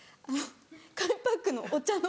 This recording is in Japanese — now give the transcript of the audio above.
紙パックのお茶の。